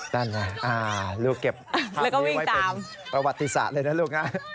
นั่นไงลูกเก็บภาพนี้ไว้เป็นประวัติศาสตร์เลยนะลูกนะ